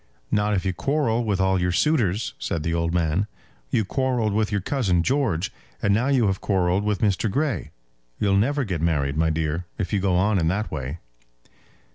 "Not if you quarrel with all your suitors," said the old man. "You quarrelled with your cousin George, and now you have quarrelled with Mr. Grey. You'll never get married, my dear, if you go on in that way."